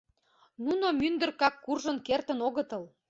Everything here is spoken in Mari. — Нуно мӱндыркак куржын кертын огытыл.